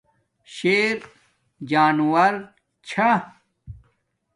شیر جانورو چھا